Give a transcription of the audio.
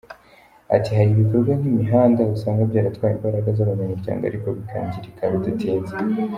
Ati Hari ibikorwa nk’imihanda usanga byaratwaye imbaraga z’abanyamuryango ariko bikangirika bidatinze.